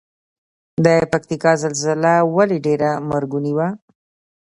د پکتیکا زلزله ولې ډیره مرګونې وه؟